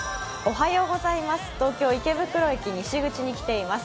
東京・池袋駅西口に来ています。